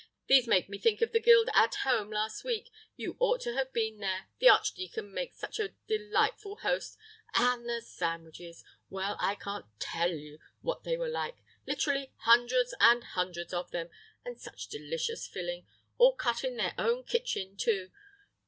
These make me think of the Guild 'At Home' last week. You ought to have been there. The Archdeacon makes such a delightful host and the sandwiches!—well, I can't tell you what they were like; literally hundreds and hundreds of them, and such delicious filling; all cut in their own kitchen, too.